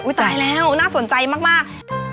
อุ๊ยจ่ายแล้วน่าสนใจมาก